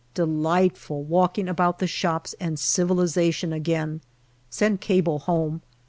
Delightful walking about the shops and civilization again. Send cable home.